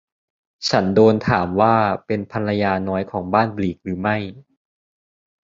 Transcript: ฉันโดนถามว่าเป็นภรรยาน้อยของบ้านบลีกหรือไม่